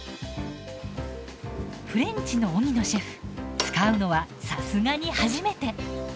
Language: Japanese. フレンチの荻野シェフ使うのはさすがに初めて。